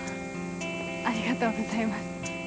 ありがとうございます。